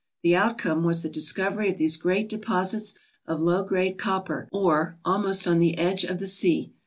The outcome was the discovery of these great deposits of low grade copper ore almost on the edge of the sea.